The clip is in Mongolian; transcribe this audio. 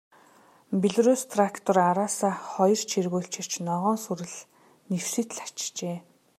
Белорусс трактор араасаа хоёр чиргүүл чирч, ногоон сүрэл нэвсийтэл ачжээ.